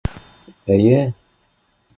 Эйе